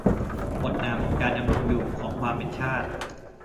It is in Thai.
บทนำ การดำรงอยู่ของความเป็นชาติ